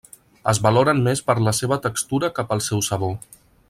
Es valoren més per la seva textura que pel seu sabor.